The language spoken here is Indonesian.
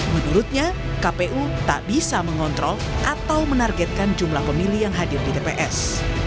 menurutnya kpu tak bisa mengontrol atau menargetkan jumlah pemilih yang hadir di tps